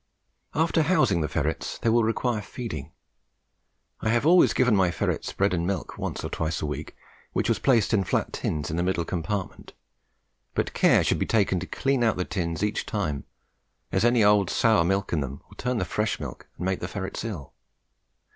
After housing the ferrets, they will require feeding. I have always given my ferrets bread and milk once or twice a week, which was placed in flat tins in the middle compartment; but care should be taken to clean out the tins each time, as any old sour milk in them will turn the fresh milk and make the ferrets ill.